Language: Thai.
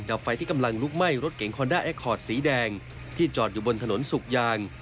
ไฟที่กำลังลุกไหม้รถเก๋งคอนด้าแอคคอร์ดสีแดงที่จอดอยู่บนถนนสุกยาง